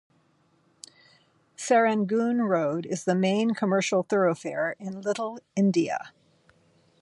Serangoon Road is the main commercial thoroughfare in Little India.